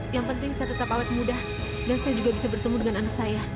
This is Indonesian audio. yang penting saya tetap awet muda dan saya juga bisa bertemu dengan anak saya